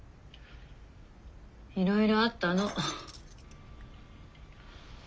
いろいろあったの。